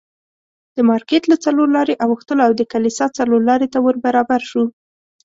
د مارکېټ له څلور لارې اوښتلو او د کلیسا څلورلارې ته ور برابر شوو.